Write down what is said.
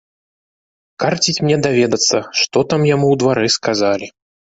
Карціць мне даведацца, што там яму ў дварэ сказалі.